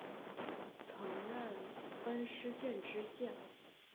曾任恩施县知县。